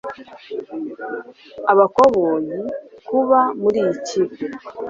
Abakoboyi kuba muri iyi kipe